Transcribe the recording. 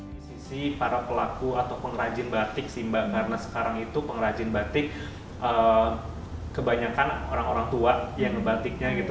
di sisi para pelaku atau pengrajin batik sih mbak karena sekarang itu pengrajin batik kebanyakan orang orang tua yang batiknya gitu